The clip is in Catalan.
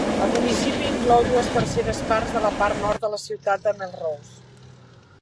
El municipi inclou dues terceres parts de la part nord de la ciutat de Melrose.